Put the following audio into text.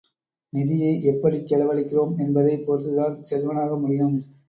நிதியை எப்படிச் செலவழிக்கிறோம் என்பதைப் பொறுத்துத்தான் செல்வனாக முடியும்.